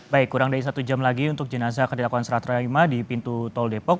baik kurang dari satu jam lagi untuk jenazah kandilakuan serah terima di pintu tol depok